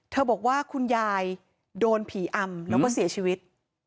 บอกว่าคุณยายโดนผีอำแล้วก็เสียชีวิต